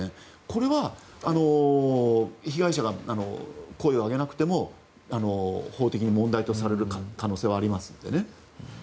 これは被害者が声を上げなくても法的に問題とされる可能性はありますのでね。